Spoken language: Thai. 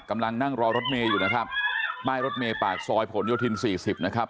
กำลังนั่งรอรถเมย์อยู่นะครับป้ายรถเมย์ปากซอยผลโยธินสี่สิบนะครับ